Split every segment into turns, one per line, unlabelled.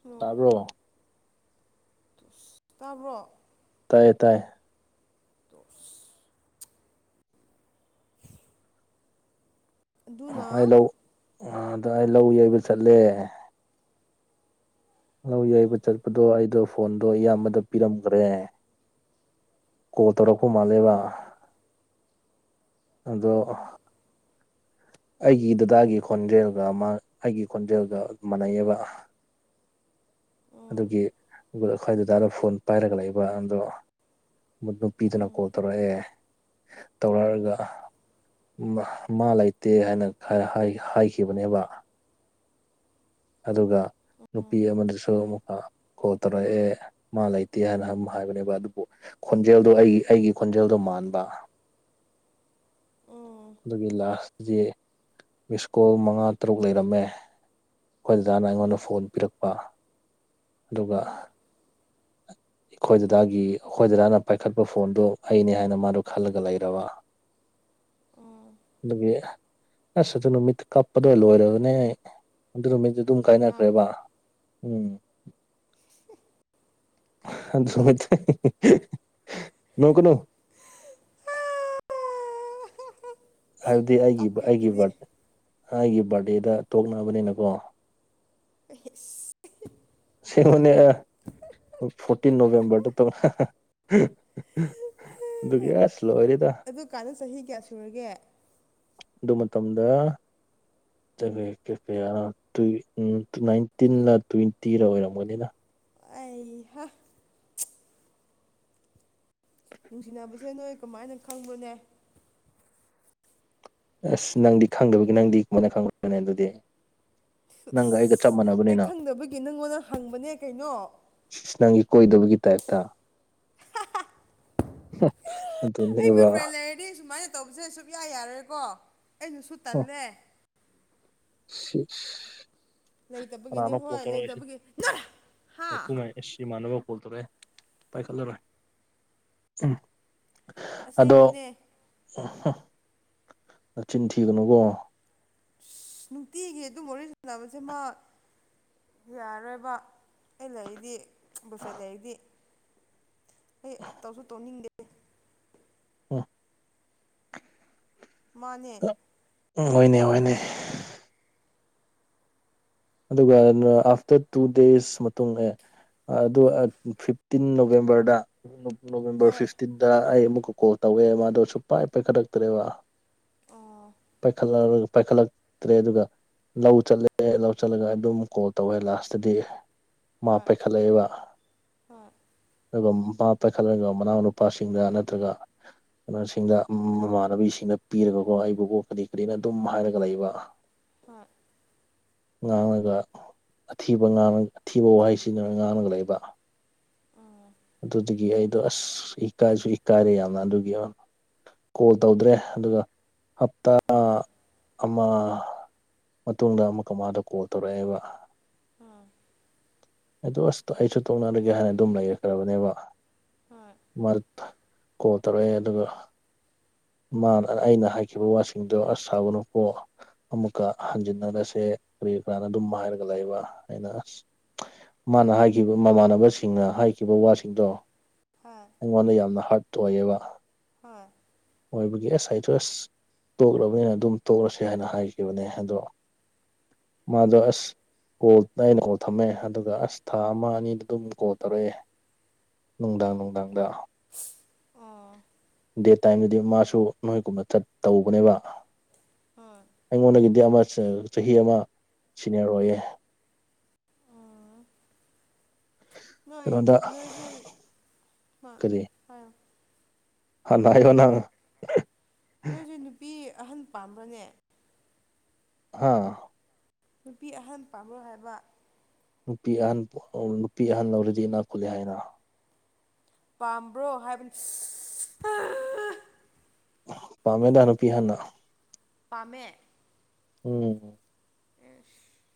hello
ꯇꯥꯕ꯭ꯔꯣ
ꯇꯥꯕ꯭ꯔꯣ
ꯇꯥꯏꯌꯦ ꯇꯥꯏ
ꯇꯣꯁ
ꯑꯩ
ꯑꯗꯨꯅ
ꯂꯧ ꯑꯥꯗ ꯑꯩ ꯂꯧ ꯌꯩꯕ ꯆꯠꯂꯦ ꯂꯧ ꯌꯩꯕ
ꯎꯝ
ꯆꯠꯄꯗꯣ ꯑꯩꯗꯣ ꯐꯣꯟꯗꯣ ꯏꯌꯥꯝꯕꯗ ꯄꯤꯔꯝꯈ꯭ꯔꯦ ꯀꯣꯜ ꯇꯧꯔꯛꯄ ꯃꯥꯜꯂꯦꯕ
ꯎꯝ
ꯑꯗꯣ
ꯎꯝ
ꯑꯩꯒꯤ ꯗꯨꯗꯥꯒꯤ ꯈꯣꯟꯖꯦꯜꯒ ꯃꯥ ꯑꯩꯒꯤ ꯈꯣꯟꯖꯦꯜꯒ ꯃꯥꯟꯅꯩꯌꯦꯕ [inaudible] ꯑꯗꯨꯒꯤ
ꯎꯝ
ꯑꯩꯈꯣꯏ ꯗꯥꯗꯥꯗꯣ ꯐꯣꯟ ꯄꯥꯏꯔꯒ ꯂꯩꯕ ꯑꯗꯣ ꯄꯤꯗꯨꯅ ꯀꯣꯜ ꯇꯧꯔꯛꯑꯦ ꯇꯧꯔꯛꯑꯒ ꯃꯥ ꯃꯥ ꯂꯩ ꯇꯦ ꯍꯥꯏꯅ ꯍꯥꯏ ꯍꯥꯏꯈꯤꯕꯅꯦꯕ ꯑꯗꯨꯒ
ꯎꯝ
ꯅꯨꯄꯤ ꯑꯃꯗꯨꯁꯨ ꯑꯃꯨꯛꯀꯥ ꯀꯣꯜ ꯇꯧꯔꯛꯑꯦ ꯃꯥ ꯂꯩꯇꯦ ꯍꯥꯏꯅ ꯑꯝ ꯍꯥꯏꯕꯅꯦꯕ ꯑꯗꯨꯕꯨ ꯈꯣꯟꯖꯦꯜꯗꯣ ꯑꯩꯒꯤ ꯑꯩꯒꯤ ꯈꯣꯟꯖꯦꯜꯗꯣ ꯃꯥꯟꯕ
ꯎꯝ ꯎꯝ
ꯑꯗꯨꯒꯤ ꯂꯥꯁꯇꯗꯤ ꯃꯤꯁꯀꯣꯜ ꯃꯉꯥ ꯇꯔꯨꯛ ꯂꯩꯔꯝꯃꯦ ꯑꯩꯈꯣꯏ ꯗꯥꯗꯥꯅ ꯑꯩꯉꯣꯟꯗ
ꯍꯝ
ꯐꯣꯟ ꯄꯤꯔꯛꯄ ꯑꯗꯨꯒ
ꯍꯝ
ꯑꯩꯈꯣꯏ ꯗꯥꯗꯥꯒꯤ ꯑꯩꯈꯣꯏ ꯗꯥꯗꯥꯅ ꯄꯥꯏꯈꯠꯄ ꯐꯣꯟꯗꯨ ꯑꯩꯅꯦ ꯍꯥꯏꯅ ꯃꯥꯗꯣ ꯈꯜꯂꯒ ꯂꯩꯔꯕ
ꯎꯝ
ꯑꯗꯨꯒꯤ ꯑꯁ ꯑꯗꯨ ꯅꯨꯃꯤꯠꯇ ꯀꯞꯄꯗꯣ ꯂꯣꯏꯔꯕꯅꯦ ꯑꯩ ꯑꯗꯨ ꯅꯨꯃꯤꯠꯇꯨ ꯑꯗꯨꯝ ꯀꯥꯏꯅꯈ꯭ꯔꯦꯕ ꯎꯨꯝ
ꯁꯤ ꯍ
ꯑꯗꯨ ꯅꯨꯃꯤꯠꯇꯩ ꯍ ꯍ ꯅꯣꯛꯀꯅꯨ ꯍꯥꯏꯕꯗꯤ ꯑꯩꯒꯤ
ꯀꯞꯀꯦ
ꯑꯩꯒꯤꯕꯥ
ꯑꯗꯨꯗꯤ
ꯑꯩꯒꯤ ꯕꯥꯔꯗꯦꯗ ꯇꯣꯛꯅꯕꯅꯤꯅꯀꯣ
ꯑꯍꯁ
ꯁꯤꯦꯡꯉꯣꯅꯦ ꯐꯣꯔꯇꯤꯟ ꯅꯣꯕꯦꯝꯕꯔꯗ ꯇꯧ ꯑꯗꯨꯗꯨꯒꯌꯥꯁ ꯂꯣꯏꯔꯦꯗꯥ
ꯑꯗꯨ ꯀꯥꯟꯗ ꯆꯍꯤ ꯀꯌꯥ ꯁꯨꯔꯒꯦ
ꯑꯗꯨ ꯃꯇꯝꯗ [unintelligible] ꯀꯦꯐꯦ ꯍꯥ ꯇꯨꯏ ꯎꯝ ꯇꯨ ꯅꯥꯏꯟꯇꯤꯟꯂꯥ ꯇ꯭ꯋꯦꯟꯇꯤꯔ ꯑꯣꯏꯔꯝꯒꯅꯤꯗ
ꯑꯩꯍꯥ ꯅꯨꯡꯁꯤꯅꯕꯁꯦ ꯅꯣꯏ ꯀꯃꯥꯏꯅ ꯈꯪꯕꯅꯦ
ꯑꯁ ꯅꯪꯗꯤ ꯈꯪꯗꯕꯒꯤ ꯅꯪꯗꯤ ꯀꯃꯥꯏꯅ [unintelligible] ꯑꯗꯨꯗꯤ ꯅꯪꯒ ꯑꯩꯒ ꯆꯞ
ꯑꯩ
ꯃꯥꯟꯅꯕꯅꯤꯅ
ꯈꯪꯗꯕꯒꯤ ꯅꯪꯉꯣꯟꯗ ꯍꯪꯕꯅꯦ ꯀꯩꯅꯣ
[unintelligible] ꯅꯪꯗꯤ ꯀꯣꯏꯗꯕꯒꯤ ꯇꯥꯏꯞꯇ [unintelligible] [unintelligible]
ꯑꯩ ꯃꯤ ꯐ꯭ꯔꯦꯟ ꯂꯩꯔꯗꯤ ꯁꯨꯃꯥꯏꯅ ꯇꯧꯕꯁꯦ ꯁꯨꯛꯌꯥ ꯌꯥꯔꯣꯏꯀꯣ ꯑꯩꯅꯁꯨ ꯇꯜꯂꯦ
ꯁꯤꯁ
ꯂꯩꯇꯕꯒꯤꯅꯦ ꯍꯣꯏ ꯂꯩꯇꯕꯒꯤ [unintelligible] ꯍꯥ
ꯏꯁ ꯏꯃꯥꯟꯅꯕ ꯀꯣꯜ ꯇꯧꯔꯛꯑꯦ ꯄꯥꯏꯈꯠꯂꯔꯣꯏ ꯑꯗꯣ
ꯑꯁꯦꯡꯕꯅꯦ
[unintelligible] ꯅꯆꯤꯟ ꯊꯤꯒꯅꯨꯀꯣ
ꯑꯁ ꯅꯨꯡꯇꯤꯒꯤ ꯑꯗꯨꯝ ꯋꯥꯔꯤ ꯁꯅꯕꯁꯦ ꯃꯥ ꯌꯥꯔꯣꯏꯕ ꯑꯩ ꯂꯩꯗꯤ ꯕꯣꯏꯐ꯭ꯔꯦꯟ ꯂꯩꯔꯗꯤ ꯑꯩ ꯇꯧꯁꯨ ꯇꯧꯅꯤꯡ
[unintelligible]
ꯃꯥꯅꯦ
[unintelligible] ꯍꯣꯏꯅꯦ ꯍꯣꯏꯅꯦ ꯑꯗꯨꯒ ꯑꯥꯐꯇꯔ ꯇꯨ ꯗꯦꯖ ꯃꯇꯨꯡꯗ ꯑꯗꯨ ꯐꯤꯞꯇꯤꯟ ꯅꯣꯕꯦꯝꯕꯔꯗ ꯅꯣꯕꯦꯝꯕꯔ
ꯍꯣꯏ
ꯐꯤꯐꯇꯤꯟꯗ ꯑꯩ ꯑꯃꯨꯛꯀ ꯀꯣꯜ ꯇꯧꯋꯦ ꯃꯥꯗꯣ ꯁꯨꯡꯄꯥꯏ ꯄꯥꯏꯈꯠꯂꯛꯇ꯭ꯔꯦꯕ
ꯑꯣ
ꯥꯄꯥꯏꯈꯠꯂꯔꯣꯏ ꯄꯥꯏꯈꯠꯂꯛꯇ꯭ꯔꯦ ꯑꯗꯨꯒ ꯂꯧ ꯆꯠꯂꯦ ꯂꯧ ꯆꯠꯂꯒ ꯑꯗꯨꯝ ꯀꯣꯜ ꯇꯧꯋꯦ ꯂꯥꯁꯇꯗꯤ ꯃꯥ
ꯍꯣꯏ
ꯄꯥꯏꯈꯠꯂꯛꯑꯦꯕ
ꯍꯣꯏ
ꯑꯗꯨꯒ ꯃꯥ ꯄꯥꯏꯈꯠꯂꯒ ꯃꯅꯥꯎ ꯅꯨꯄꯥꯁꯤꯡꯗ ꯅꯠꯇ꯭ꯔꯒ ꯀꯩꯅꯣꯁꯤꯡꯗ ꯃꯃꯥꯟꯅꯕꯤꯁꯤꯡꯗ ꯄꯤꯔꯒꯀꯣ ꯑꯩꯕꯨꯀꯣ ꯀꯔꯤ ꯀꯔꯤꯔ ꯑꯗꯨꯝ ꯍꯥꯏꯔꯒ ꯂꯩꯕ
ꯍꯣꯏ
ꯉꯥꯡꯉꯒ ꯑꯊꯤꯕ ꯉꯥꯡ ꯑꯊꯤꯕ ꯋꯥꯍꯩ ꯁꯤꯖꯤꯟꯅꯔꯒ ꯉꯥꯡꯉꯒ ꯂꯩꯕ
ꯎꯝ
ꯑꯗꯨꯗꯒꯤ ꯑꯩꯗꯣ ꯑꯁ ꯏꯀꯥꯏꯁꯨ ꯏꯀꯥꯏꯔꯦ ꯌꯥꯝꯅ ꯑꯗꯨꯒꯤ ꯀꯣꯜ ꯇꯧꯗ꯭ꯔꯦ ꯑꯗꯨꯒ ꯍꯞꯇꯥ
ꯎꯝ
ꯑꯃ ꯃꯇꯨꯡꯗ ꯑꯃꯨꯛꯀ ꯃꯥꯗꯣ ꯀꯣꯜ ꯇꯧꯔꯛꯑꯦꯕ
ꯎꯝ
ꯑꯗ ꯑꯁ ꯑꯩꯁꯨ ꯇꯣꯛꯅꯔꯒꯦ ꯍꯥꯏꯅ ꯑꯗꯨꯝ ꯂꯩꯔꯈ꯭ꯔꯕꯅꯦꯕ
ꯍꯣꯏ
ꯃꯥ ꯀꯣꯜ ꯇꯧꯔꯛꯑꯦ ꯑꯗꯨꯒ ꯃꯥꯅ ꯑꯩꯅ ꯍꯥꯏꯈꯤꯕ ꯋꯥꯁꯤꯡꯗꯣ ꯑꯁ ꯁꯥꯎꯒꯅꯨꯀꯣ ꯑꯃꯨꯛꯀ ꯍꯟꯖꯤꯟꯅꯔꯁꯦ ꯀꯔꯤ ꯀꯔꯥꯅ ꯑꯗꯨꯝ ꯍꯥꯏꯔꯒ ꯂꯩꯕ ꯑꯩꯅ ꯑꯁ ꯃꯥꯅ ꯍꯥꯏꯈꯤꯕ ꯃꯃꯥꯟꯅꯕꯁꯤꯡꯅ ꯍꯥꯏꯈꯤꯕ ꯋꯥꯁꯤꯡꯗꯣ
ꯍꯣꯏ
ꯑꯩꯉꯣꯟꯗ ꯌꯥꯝꯅ ꯍꯥꯔꯗ ꯑꯣꯏꯌꯦꯕ
ꯍꯣꯏ
ꯑꯣꯏꯕꯒꯤ ꯑꯁ ꯑꯩꯗ ꯑꯁ ꯇꯣꯛꯂꯕꯅꯤꯅ ꯑꯗꯨꯝ ꯇꯣꯛꯂꯁꯦ ꯍꯥꯏꯅ ꯍꯥꯏꯈꯤꯕꯅꯦ ꯑꯗꯣ ꯃꯥꯗꯣ ꯑꯁ ꯀꯣꯜ ꯑꯩꯅ ꯀꯣꯜ ꯊꯝꯃꯦ ꯑꯗꯨꯒ ꯑꯁ ꯊꯥ ꯑꯃ ꯑꯅꯤꯗ ꯑꯗꯨꯝ ꯀꯣꯜ ꯇꯧꯔꯛꯑꯦ ꯅꯨꯡꯗꯥꯡ ꯅꯨꯡꯗꯥꯡꯗ
[unintelligible] ꯑꯣ
ꯗꯦ ꯇꯥꯏꯝꯗꯗꯤ ꯃꯥꯁꯨ ꯅꯣꯏꯒꯨꯝꯕ ꯊꯠ ꯇꯧꯕꯅꯦꯕ
ꯍꯣꯏ
ꯑꯩꯉꯣꯟꯗꯒꯤꯗꯤ ꯑꯃ ꯆꯥꯍꯤ ꯑꯃꯥ ꯁꯤꯅꯤꯌꯔ ꯑꯣꯏꯌꯦ
ꯎꯝ ꯅꯣꯏ
ꯀꯩꯅꯣꯗ
ꯅꯣꯏꯁꯦ
ꯍꯥꯟꯅꯥ ꯍꯥꯏꯌꯣ ꯅꯪꯅꯥ
ꯅꯣꯏꯁꯦ ꯅꯨꯄꯤ ꯑꯍꯟ ꯄꯥꯝꯕꯔꯅꯦ
ꯍꯥꯥ
ꯅꯨꯄꯤ ꯑꯥꯍꯟ ꯄꯥꯝꯕꯔꯣ ꯍꯥꯏꯕ
ꯅꯨꯄꯤ ꯑꯍꯟ ꯅꯨꯄꯤ ꯑꯍꯟ ꯂꯧꯔꯗꯤ ꯏꯅꯥꯛ ꯈꯨꯜꯂꯦ ꯍꯥꯏꯅ
ꯄꯥꯝꯕ꯭ꯔꯣ ꯍꯥꯏꯕꯅꯤ
ꯄꯥꯝꯃꯦꯗ ꯅꯨꯄꯤ ꯑꯥꯍꯟ
ꯄꯥꯝꯃꯦ
ꯎꯝ
[unintelligible]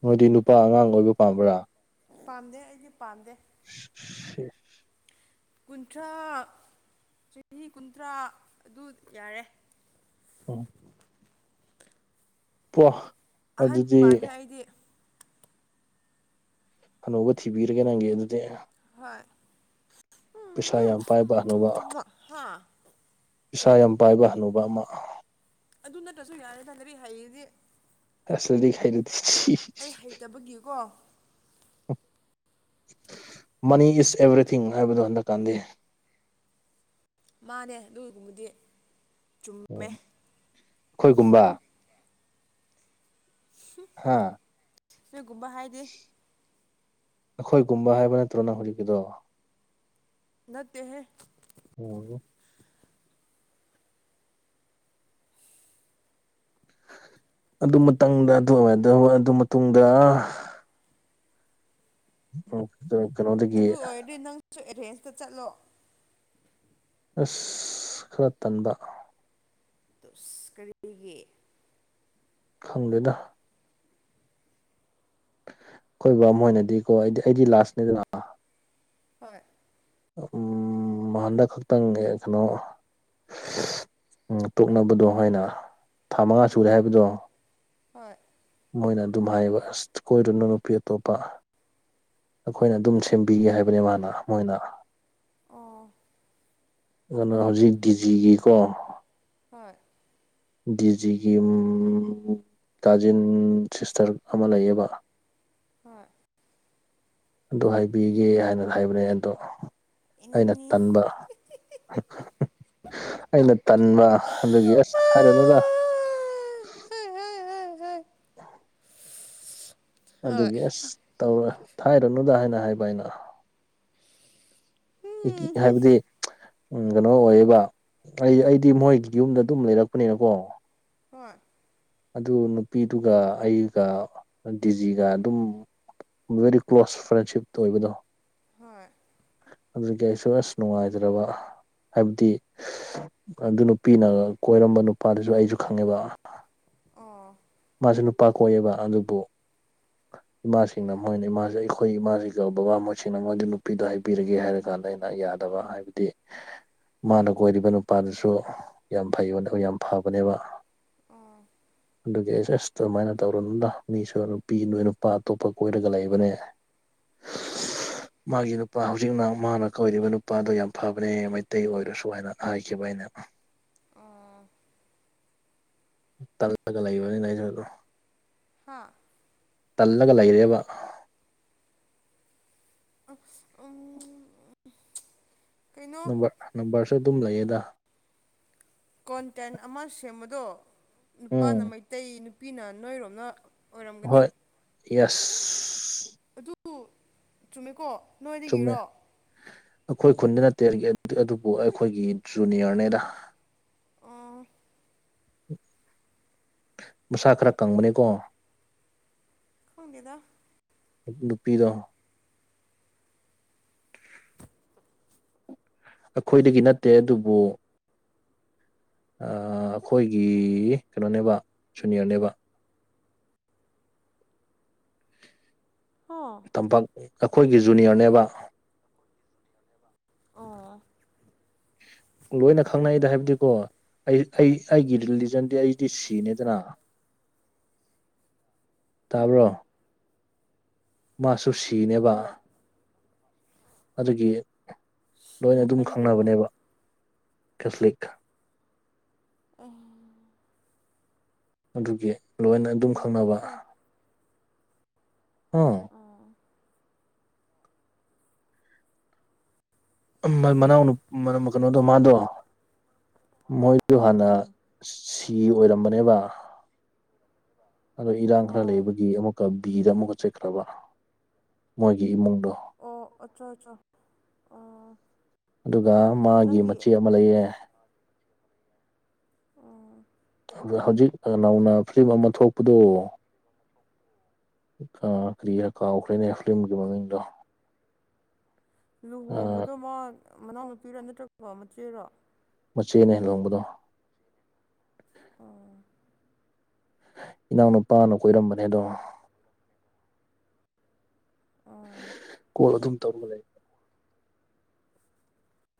ꯅꯣꯏꯗꯤ ꯅꯨꯄꯥ ꯑꯉꯥꯡ ꯑꯣꯏꯕ ꯄꯥꯝꯕ꯭ꯔꯥ
ꯄꯥꯝꯗꯦ ꯑꯩꯗꯤ ꯄꯥꯝꯗꯦ
[unintelligible]
ꯀꯨꯟꯊ꯭ꯔꯥ ꯆꯍꯤ ꯀꯨꯟꯊ꯭ꯔꯥ ꯑꯗꯨ ꯌꯥꯔꯦ
ꯎꯝ [unintelligible]
ꯑꯥꯍꯟ
ꯑꯗꯨꯗꯤ
ꯄꯥꯝꯃꯦ ꯑꯩꯗꯤ
ꯍꯅꯨꯕꯥ ꯊꯤꯕꯤꯔꯒꯦ ꯅꯪꯒꯤ ꯑꯗꯨꯗꯤ
ꯍꯣꯏ
ꯄꯩꯁꯥ ꯌꯥꯝ ꯄꯥꯏꯕ ꯍꯅꯨꯕꯥ
ꯍꯥ
ꯄꯩꯥꯁꯥ ꯌꯥꯝ ꯄꯥꯏꯕ ꯍꯥꯅꯨꯕ ꯑꯃꯥ
ꯑꯗꯨ ꯅꯠꯇ꯭ꯔꯁꯨ ꯌꯥꯔꯦꯗꯥ ꯂꯥꯏꯔꯤꯛ ꯍꯩꯔꯥꯗꯤ
ꯂꯥꯏꯔꯤꯛ ꯍꯩꯔꯥꯗꯤ
ꯇꯕꯒꯤꯀꯣ
ꯃꯅꯤ ꯏꯁ ꯑꯦꯚ꯭ꯔꯤꯊꯤꯡ ꯍꯥꯏꯕꯗꯣ ꯍꯟꯗꯛ ꯀꯥꯟꯗꯦ
ꯃꯥꯅꯦ ꯑꯗꯨꯒꯨꯝꯕꯗꯤ ꯆꯨꯝꯃꯦ
ꯑꯩꯈꯣꯏꯒꯨꯝꯕ ꯍꯥꯥ
ꯅꯣꯏꯒꯨꯝꯕ ꯍꯥꯏꯗꯤ
ꯑꯩꯈꯣꯏꯒꯨꯝꯕ ꯍꯥꯏꯕ ꯅꯠꯇ꯭ꯔꯣ ꯅꯪ ꯍꯧꯖꯤꯛꯀꯤꯗꯣ
ꯅꯠꯇꯦꯍꯦ
ꯑꯣ ꯑꯗꯨ ꯃꯇꯪꯗ ꯑꯗꯨ ꯑꯣꯏꯗ ꯑꯗꯨ ꯃꯇꯨꯡꯗ [unintelligible]
ꯑꯗꯨ ꯑꯣꯏꯔꯗꯤ ꯅꯪꯁꯨ ꯑꯦꯔꯦꯟꯁꯇꯥ ꯆꯠꯂꯣ
ꯑꯁ ꯈꯔ ꯇꯟꯕꯥ
ꯑꯁ ꯀꯔꯤꯒꯤ
ꯈꯪꯗꯦꯗꯥ ꯑꯈꯣꯏꯕꯥ ꯃꯣꯏꯅꯗꯤ ꯀꯣ ꯑꯩꯗꯤ ꯑꯩꯗꯤ ꯂꯥꯁꯅꯤꯗꯅꯥ
ꯍꯣꯏ
ꯍꯟꯗꯛ ꯈꯥꯇꯪ ꯀꯩꯅꯣ ꯎꯝ ꯇꯣꯛꯅꯕꯗꯣ ꯍꯥꯏꯅ ꯊꯥ ꯃꯉꯥ ꯁꯨꯔꯦ ꯍꯥꯏꯕꯗꯣ
ꯍꯣꯏ
ꯃꯣꯏꯅ ꯑꯗꯨꯝ ꯍꯥꯏꯕ ꯑꯁ ꯀꯣꯏꯔꯨꯅꯨ ꯅꯨꯄꯤ ꯑꯇꯣꯞꯄ ꯑꯩꯈꯣꯏꯅ ꯑꯗꯨꯝ ꯁꯦꯝꯕꯤꯒꯦ ꯍꯥꯏꯕꯅꯦ ꯃꯥꯅ ꯃꯣꯏꯅ
ꯑꯣ
ꯑꯗꯨꯅ ꯍꯧꯖꯤꯛ ꯗꯤꯖꯤꯒꯤꯀꯣ
ꯍꯣꯏ
ꯗꯤꯖꯤꯒꯤ ꯀꯥꯖꯤꯟ ꯁꯤꯁꯇꯔ ꯑꯃ ꯂꯩꯌꯦꯕ
ꯍꯣꯏ
ꯑꯗꯨ ꯍꯥꯏꯕꯤꯒꯦ ꯍꯥꯏꯅ ꯍꯥꯏꯕꯅꯦ ꯑꯗꯣ ꯑꯩꯅ
ꯏꯅꯅꯤ
ꯇꯟꯕ ꯑꯩꯅ ꯇꯟꯕ ꯑꯗꯨꯒꯤ
ꯍꯣꯏ ꯎꯝ
ꯑꯁ ꯍꯥꯏꯔꯅꯗ
[unintelligible]
ꯑꯗꯨꯒꯤ ꯑꯁ ꯇꯧꯔ ꯊꯥꯏꯔꯅꯨꯗ ꯍꯥꯏꯅ ꯍꯥꯏꯕ ꯑꯩꯅ ꯍꯥꯏꯕꯗꯤ ꯎꯝ ꯀꯩꯅꯣ ꯑꯣꯏꯕ ꯑꯩ ꯑꯩꯗꯤ ꯃꯣꯏ ꯌꯨꯝꯗ ꯑꯗꯨꯝ ꯂꯩꯔꯛꯄꯅꯤꯅꯀꯣ
ꯍꯣꯏ
ꯑꯗꯨ ꯅꯨꯄꯤꯗꯨꯒ ꯑꯩꯒ ꯗꯤꯖꯤꯒ ꯑꯗꯨꯝ ꯕꯦꯔꯤ ꯀ꯭ꯂꯣꯁ ꯐ꯭ꯔꯦꯟꯁꯤꯞꯇ ꯑꯣꯏꯕꯗꯣ
ꯍꯣꯏ
ꯑꯗꯨꯗꯒꯤ ꯑꯩꯁꯨ ꯑꯁ ꯅꯨꯡꯉꯥꯏꯇ꯭ꯔꯕ ꯍꯥꯏꯕꯗꯤ ꯑꯗꯨ ꯅꯨꯄꯤꯅ ꯀꯣꯏꯔꯝꯕ ꯅꯨꯄꯥꯗꯨꯁꯨ ꯑꯩꯁꯨ ꯈꯪꯉꯦꯕ
ꯑ
ꯃꯥꯁꯨ ꯅꯨꯄꯥ ꯀꯣꯛꯑꯦꯕ ꯑꯗꯨꯕꯨ ꯏꯃꯥꯁꯤꯡꯅ ꯃꯣꯏꯅ ꯏꯃꯥꯁꯦ ꯑꯩꯈꯣꯏ ꯏꯃꯥꯁꯤꯒ ꯕꯕꯥ ꯃꯣꯏꯠꯁꯤꯡꯅ ꯃꯣꯏꯗꯤ ꯅꯨꯄꯤꯗꯣ ꯍꯥꯏꯕꯤꯔꯒꯦ ꯍꯥꯏꯔ ꯀꯥꯟꯗ ꯑꯩꯅ ꯌꯥꯗꯕ ꯍꯥꯏꯕꯗꯤ ꯃꯥꯅ ꯀꯣꯏꯔꯤꯕ ꯅꯨꯄꯥꯗꯨꯁꯨ ꯌꯥꯝ ꯐꯩ ꯌꯥꯝ ꯐꯕꯅꯦꯕ
ꯑꯣꯥ
ꯑꯗꯨꯒꯤ ꯑꯦꯁ ꯑꯦꯁ ꯑꯗꯨꯃꯥꯏꯅ ꯇꯧꯔꯨꯅꯗ ꯃꯤꯁꯨ ꯅꯨꯄꯤ ꯅꯣꯏ ꯅꯨꯄꯥ ꯑꯇꯣꯞꯄ ꯀꯣꯏꯔꯒ ꯂꯩꯕꯅꯦ [inaudible] ꯃꯥꯒꯤ ꯅꯨꯄꯥ ꯍꯧꯖꯤꯛꯅ ꯃꯥꯅ ꯀꯧꯔꯤꯕ ꯅꯨꯄꯥꯗꯣ ꯌꯥꯝ ꯐꯕꯅꯦ ꯃꯩꯇꯩ ꯑꯣꯏꯔꯁꯨ ꯍꯥꯏꯅ ꯍꯥꯏꯈꯤꯕ ꯑꯩꯅ
ꯑꯥ
ꯇꯜꯂꯒ ꯂꯩꯕꯅꯤꯅ ꯑꯩꯁꯨꯣꯏꯗꯣ
ꯍꯥꯥ
ꯇꯜꯂꯒ ꯂꯩꯔꯦꯕ
ꯑ ꯎ
ꯅꯝꯕꯔ ꯅꯝꯕꯔꯁꯨ ꯑꯗꯨꯝ ꯂꯩꯌꯦꯗ
ꯀꯣꯟꯇꯦꯟ ꯑꯃ ꯁꯦꯝꯕꯗꯣ ꯅꯨꯄꯥꯅ
ꯎꯝ
ꯃꯩꯇꯩ ꯅꯨꯄꯤꯅ ꯅꯣꯏꯔꯣꯝꯅ ꯑꯣꯏꯔꯝꯒꯅꯤ
ꯍꯣꯏ ꯌꯦꯁ
ꯑꯗꯨ ꯆꯨꯝꯃꯦꯀꯣ
ꯆꯨꯝꯃꯦ
ꯅꯣꯏꯗꯒꯤꯔꯣ
ꯑꯩꯈꯣꯏ ꯈꯨꯟꯗꯤ ꯅꯠꯇꯦ ꯑꯗꯨꯕꯨ ꯑꯩꯈꯣꯏꯒꯤ ꯖꯨꯅꯤꯌꯔꯅꯦꯗ
ꯑꯥ
ꯃꯁꯥ ꯈꯔ ꯀꯪꯕꯅꯤꯀꯣ
ꯍꯒꯦꯗ
ꯅꯨꯄꯤꯗꯣ ꯑꯩꯈꯣꯏꯗꯒꯤ ꯅꯠꯇꯦ ꯑꯗꯨꯕꯨ ꯑꯩꯈꯣꯏꯒꯤ ꯀꯩꯅꯣꯅꯦꯕ ꯁꯨꯅꯤꯌꯔꯅꯦꯕ
ꯍ
ꯇꯝꯄꯥꯛ ꯑꯩꯈꯣꯏꯒꯤ ꯖꯨꯅꯤꯌꯔꯅꯦꯕ
ꯑꯣ
ꯂꯣꯏꯅ ꯈꯪꯅꯩꯗ ꯍꯥꯏꯕꯗꯤꯀꯣ ꯑꯩ ꯑꯩ ꯑꯩꯒꯤ ꯔꯤꯂꯤꯖꯟꯗꯤ ꯑꯩꯗꯤ ꯁꯤꯅꯦꯗꯅ ꯇꯥꯕ꯭ꯔꯣ
ꯎꯝ
ꯃꯥꯁꯨ ꯁꯤꯅꯦꯕ
ꯍꯣꯏ
ꯑꯗꯨꯒꯤ
ꯁꯤ
ꯂꯣꯏꯅ ꯑꯗꯨꯝ
ꯍꯥꯏꯗꯤ ꯀꯩꯅꯣ
ꯈꯪꯅꯕꯅꯦꯕ ꯀꯦꯁꯂꯤꯛ
ꯎ
ꯑꯗꯨꯒꯤ ꯂꯣꯏꯅ ꯑꯗꯨꯝ ꯈꯪꯅꯕ
ꯅꯦꯠꯋꯥꯛꯁꯦ
ꯑꯥ ꯃꯅꯥꯎ ꯀꯩꯅꯣꯗꯣ
ꯑꯠꯆꯥ
ꯃꯥꯗꯣ ꯃꯣꯏꯗꯣ ꯍꯥꯟꯅ
ꯎꯝ
ꯁꯤ ꯑꯣꯏꯔꯝꯕꯅꯦꯕ ꯑꯗꯣ ꯏꯔꯥꯡ ꯈꯔ
ꯑꯣ
ꯂꯩꯕꯒꯤ ꯑꯃꯨꯛꯀ ꯕꯤꯗ ꯑꯃꯨꯛꯀ ꯆꯠꯈ꯭ꯔꯕ ꯃꯣꯏꯒꯤ ꯏꯃꯨꯡꯗꯣ
ꯑꯣ ꯑꯆꯣ ꯑꯆꯣ ꯑꯣ
ꯑꯗꯨꯒ ꯃꯥꯒꯤ ꯃꯆꯦꯠ ꯑꯃ ꯂꯩꯑ
ꯑꯣ
ꯑꯗꯨ ꯍꯧꯖꯤꯛ ꯅꯧꯅ ꯐꯤꯂꯝ ꯑꯃ ꯊꯣꯛꯄꯗꯣ ꯀꯔꯤꯌꯥ ꯀꯥꯎꯈ꯭ꯔꯦꯅꯦ ꯐꯤꯂꯝꯒꯤ ꯃꯃꯤꯡꯗꯣ
ꯂꯨꯍꯣꯡꯕꯗꯣ ꯃꯥ ꯃꯅꯥꯎꯅꯨꯄꯤꯔꯥ ꯅꯠꯇ꯭ꯔꯒ ꯃꯆꯦꯔꯣ
ꯃꯆꯦꯅ ꯍꯦꯟ ꯂꯣꯡꯕꯗꯣ
ꯑꯣꯥ
ꯏꯅꯥꯎꯅꯨꯄꯥꯅ ꯀꯣꯏꯔꯝꯕꯅꯦ ꯑꯗꯣ
ꯎꯝ
ꯀꯣꯜ ꯑꯗꯨꯝ ꯇꯔ ꯂꯩ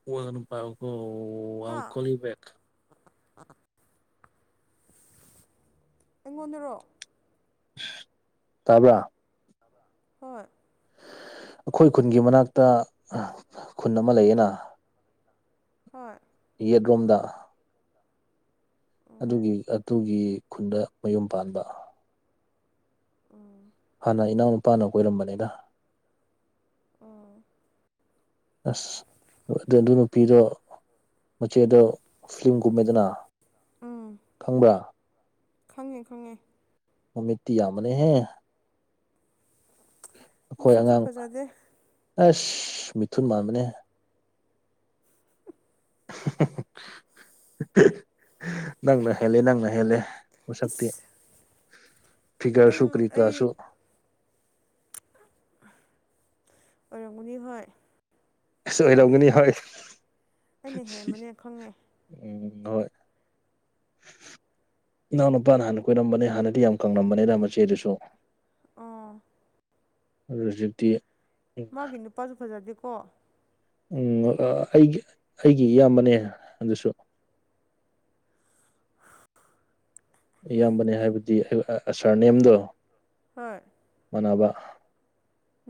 ꯀꯣꯜ ꯑꯗꯨꯝ ꯄꯥꯎꯌꯨ ꯀꯣ
ꯍꯥ
ꯑꯥꯏ ꯀꯣꯂꯤꯡ ꯕꯦꯛ
ꯑꯩꯉꯣꯟꯗꯔꯣ
ꯇꯥꯕ꯭ꯔꯥ
ꯍꯣꯏ
ꯑꯩꯈꯣꯏ ꯈꯨꯟꯒꯤ ꯃꯅꯥꯛꯇ ꯈꯨꯟ ꯑꯃ ꯂꯩꯌꯦꯅ
ꯍꯣꯏ
ꯌꯦꯠꯔꯨꯝꯗ ꯑꯗꯨꯒꯤ
ꯎꯝ
ꯑꯗꯨꯒꯤ ꯈꯨꯟꯗ ꯃꯌꯨꯝ ꯄꯥꯟꯕ
ꯎꯝ
ꯍꯥꯟꯅ ꯏꯅꯥꯎ ꯅꯨꯄꯥꯅ ꯀꯣꯏꯔꯝꯕꯅꯤꯗ
ꯑꯣꯥ
ꯑꯁ ꯑꯗꯨ ꯑꯗꯨ ꯅꯨꯄꯤꯗꯣ ꯃꯆꯦꯗꯣ ꯐꯤꯂꯝꯒꯨꯝꯃꯦꯗꯅ
ꯎꯝ
ꯈꯪꯕ꯭ꯔꯥ
ꯈꯪꯉꯦ ꯈꯪꯉꯦ
ꯃꯃꯤꯠꯇꯤ ꯌꯥꯝꯕꯅꯦ ꯍꯦ ꯑꯩꯈꯣꯏ
ꯃꯁꯛꯁꯨ
ꯑꯉꯥꯡ
ꯐꯖꯗꯦ
ꯑꯁ ꯃꯤꯊꯨꯟ ꯃꯥꯟꯕꯅꯦ ꯅꯪꯅꯍꯦꯜꯂꯦ ꯅꯪꯅ ꯍꯦꯜꯂꯦ ꯃꯁꯛꯇꯤ
ꯏꯁ ꯅꯪ
ꯐꯤꯒꯔꯁꯨ ꯀꯔꯤ ꯀꯔꯥꯁꯨ
ꯑꯣꯔꯪꯒꯅꯤ ꯍꯣꯏ
ꯑꯁ ꯑꯣꯏꯔꯝꯒꯅꯤ ꯍꯣꯏ
ꯑꯩꯅ ꯍꯦꯟꯕꯅꯦ ꯈꯪꯉꯦ
ꯎꯝ ꯍꯣꯏ ꯏꯅꯥꯎ ꯅꯨꯄꯥꯅ ꯍꯥꯟꯅ ꯀꯣꯏꯔꯝꯕꯅꯦ ꯍꯥꯟꯅꯗꯤ ꯌꯥꯝ ꯀꯪꯂꯝꯕꯅꯤꯅ ꯃꯆꯦꯗꯨꯁꯨ
ꯑꯣ
ꯑꯩ ꯍꯧꯖꯤꯛꯇꯤ
ꯃꯥꯒꯤ ꯅꯨꯄꯥꯁꯨ ꯐꯖꯗꯦꯀꯣ
ꯎ ꯑꯩꯒꯤ ꯑꯩꯒꯤ ꯏꯌꯥꯝꯕꯅꯦ ꯑꯗꯨꯁꯨ
[unintelligible]
ꯏꯌꯥꯝꯕꯅꯦ ꯍꯥꯏꯕꯗꯤ ꯑꯩ ꯁꯥꯔ ꯅꯦꯝꯗꯣ
ꯍꯣꯏ
ꯃꯥꯟꯅꯕ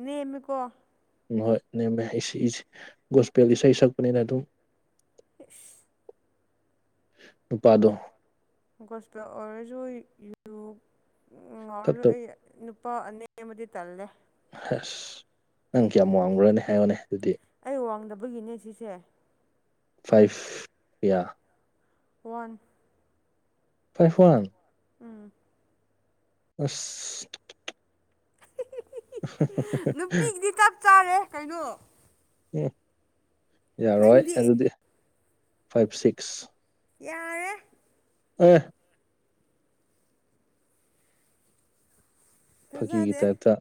ꯅꯦꯝꯃꯤꯀꯣ
ꯎꯃ ꯍꯣꯏ ꯅꯦꯝꯃꯦ ꯏꯁ ꯒꯣꯁꯄꯦꯜꯒꯤ ꯏꯁꯩ ꯁꯛꯄꯅꯤꯅ ꯑꯗꯨꯝ
ꯐꯁ
ꯅꯨꯄꯥꯗꯣ
ꯒꯣꯁꯄꯦꯜ ꯑꯣꯔꯖ ꯌꯨꯇꯨꯄ ꯎꯝ
ꯊꯛꯇ
[unintelligible] ꯑꯩ ꯅꯨꯄꯥ ꯑꯅꯦꯝꯕꯗꯤ ꯇꯜꯂꯦ
ꯑꯁ ꯅꯪ ꯀꯌꯥꯝ ꯋꯥꯡꯈꯕ꯭ꯔꯅꯦ ꯍꯥꯏꯌꯣꯅꯦ ꯑꯗꯨꯗꯤ
ꯑꯩ ꯋꯥꯡꯗꯕꯒꯤꯅꯦ ꯁꯤꯁꯦ
ꯐꯥꯏꯚ ꯀꯌꯥ
ꯋꯥꯟ
ꯐꯥꯏꯚ ꯋꯥꯟ
ꯎꯝ
ꯑꯁ
ꯅꯨꯄꯤꯒꯤꯗꯤ ꯆꯞ ꯆꯥꯔꯦ ꯀꯩꯅꯣ
ꯎꯝ ꯌꯥꯔꯣꯏ
ꯅꯪꯗꯤ
ꯑꯗꯨꯗꯤ ꯐꯥꯏꯚ ꯁꯤꯛꯁ
ꯌꯥꯔꯦ
ꯑꯥꯏ ꯐꯥꯒꯤꯒꯤ
ꯊꯥꯖꯗꯦ
ꯇꯥꯏꯞꯇ